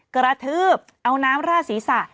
กระทืบเอาน้ำราดศีรษะ